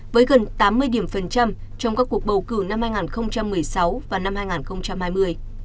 với gần tám mươi điểm phần trăm trong các cuộc bầu cử năm hai nghìn một mươi sáu